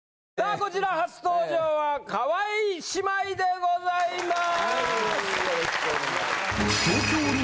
こちら初登場は川井姉妹でございます。